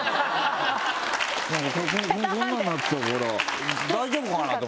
こんなんなってるから大丈夫かな？と思って。